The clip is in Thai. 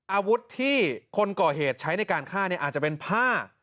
อาวุธที่คนก่อเหตุใช้ในการฆ่าเนี่ยอาจจะเป็นผ้า